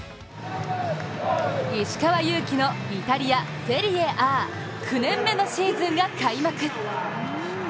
石川祐希のイタリア、セリエＡ９年目のシーズンが開幕。